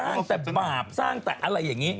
สร้างแต่บาปสร้างแต่อะไรอย่างนี้